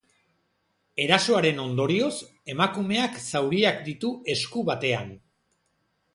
Erasoaren ondorioz, emakumeak zauriak ditu esku batean.